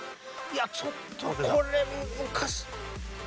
いやちょっとこれ難しい。